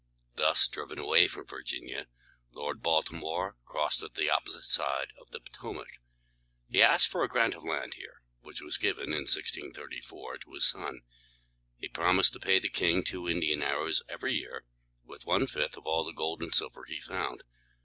Thus driven away from Virginia, Lord Baltimore crossed to the opposite side of the Po tō´mac. He asked for a grant of land here, which was given, in 1634, to his son. He promised to pay the king two Indian arrows every year, with one fifth of all the gold and silver he found.